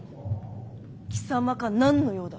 貴様か何の用だ？